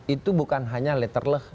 itu bukan hanya letter leh